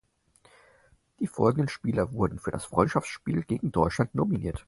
Die folgenden Spieler wurden für das Freundschaftsspiel gegen Deutschland nominiert.